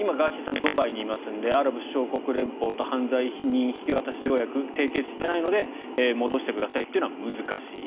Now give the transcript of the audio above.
ドバイにいますのでアラブ首長国連邦と犯罪人引渡し条約を締結していないので戻してくださいというのは難しい。